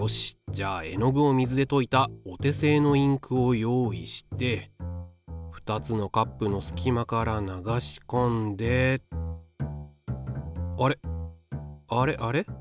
じゃあ絵の具を水でといたお手製のインクを用意して２つのカップのすき間から流しこんであれあれあれ？